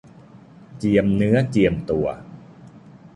เจียมเนื้อเจียมตัว